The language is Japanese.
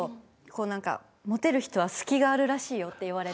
「モテる人は隙があるらしいよ」って言われて。